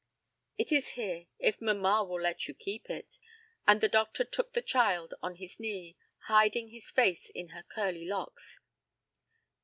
"It is here, if mamma will let you keep it," and the doctor took the child on his knee, hiding his face in her curly locks.